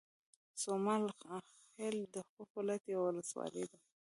سومال خيل د خوست ولايت يوه ولسوالۍ ده